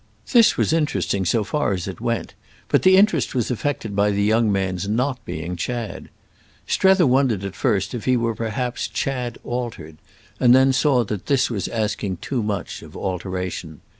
This was interesting so far as it went, but the interest was affected by the young man's not being Chad. Strether wondered at first if he were perhaps Chad altered, and then saw that this was asking too much of alteration.